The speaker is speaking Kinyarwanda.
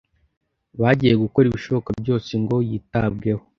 bagiye gukora ibishoboka byose ngo yitabweho.